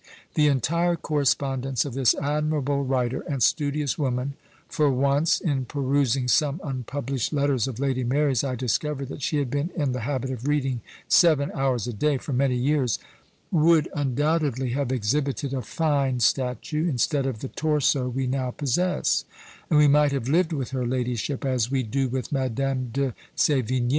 The entire correspondence of this admirable writer and studious woman (for once, in perusing some unpublished letters of Lady Mary's, I discovered that "she had been in the habit of reading seven hours a day for many years") would undoubtedly have exhibited a fine statue, instead of the torso we now possess; and we might have lived with her ladyship, as we do with Madame de Sévigné.